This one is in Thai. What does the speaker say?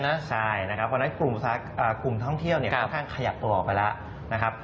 เพราะฉะนั้นกลุ่มท่องเที่ยวค่อนข้างขยับตัวออกไปแล้วนะครับ